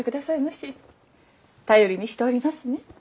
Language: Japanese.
頼りにしておりますね。